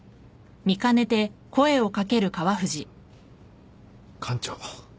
館長。